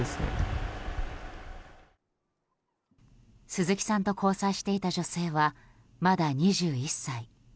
鈴木さんと交際していた女性はまだ２１歳。